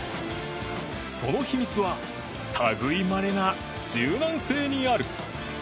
その秘密は類いまれな柔軟性にある。